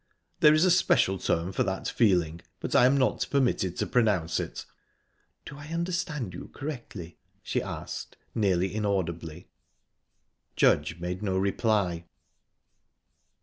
"There is a special term for that feeling but I am not permitted to pronounce it." "Do I understand you correctly?" she asked, nearly inaudibly. Judge made no reply.